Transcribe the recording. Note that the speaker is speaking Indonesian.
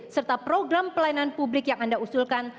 serta program pelayanan publik yang anda usulkan